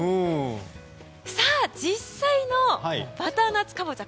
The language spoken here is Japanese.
実際のバターナッツカボチャ